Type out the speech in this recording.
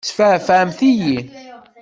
Tesfeεfεemt-iyi!